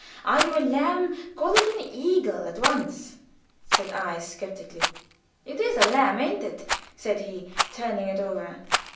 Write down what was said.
Are you a lamb? Call it an eagle at once," said I, skeptically. "It is a lamb, ain't it?" said he, turning it over.